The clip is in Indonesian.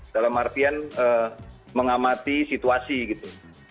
dalam artian mengamati situasi gitu